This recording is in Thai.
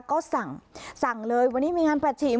ก็สั่งสั่งเลยวันนี้มีงานประชิม